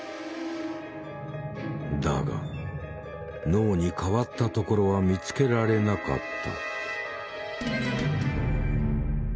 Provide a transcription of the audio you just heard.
だが脳に変わったところは見つけられなかった。